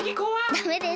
ダメです。